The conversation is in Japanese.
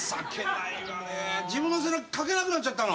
自分の背中かけなくなったの？